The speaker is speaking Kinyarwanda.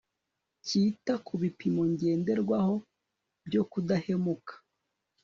kita ku bipimo ngenderwaho byo kudahemuka